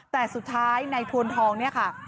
แต่สุดท้ายในทวนทองเนี่ยค่ะ